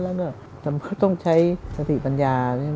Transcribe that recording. แล้วก็ต้องใช้ปฏิบัญญา